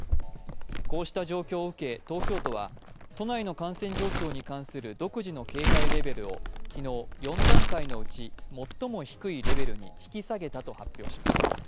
こうした状況を受け東京都は、都内の感染状況に関する独自の警戒レベルを昨日、４段階のうち最も低いレベルに引き下げたと発表しました。